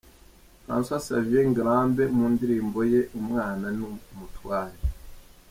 Francois Xavier Ngarambe mu ndirimbo ye ' Umwana ni umutware'.